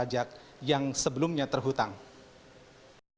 artinya seluruh dokumen sudah diterima dan dinyatakan bebas dari semua dokumen yang anda miliki